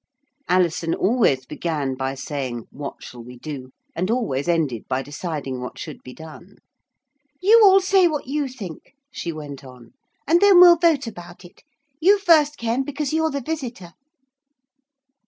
Alison always began by saying 'What shall we do?' and always ended by deciding what should be done. 'You all say what you think,' she went on, 'and then we'll vote about it. You first, Ken, because you're the visitor.'